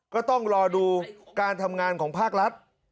ก็ต้องรอดูการทำงานของภาครัฐ